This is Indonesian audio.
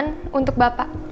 ini kiriman untuk bapak